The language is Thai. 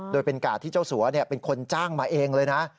โดยเป็นกาดที่เจ้าสัวเป็นคนจ้างมาเองเลยนะ